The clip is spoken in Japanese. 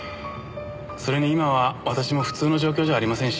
それに今は私も普通の状況じゃありませんし。